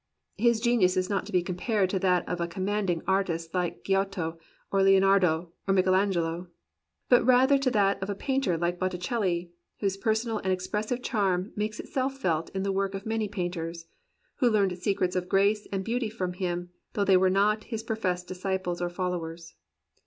His genius is not to be compared to that of a command ing artist like Giotto or Leonardo or Michelagnolo, but rather to that of a painter like Botticelh, whose personal and expressive charm makes itself felt in the work of many painters, who learned secrets of grace and beauty from him, though they were not his professed disciples or followers.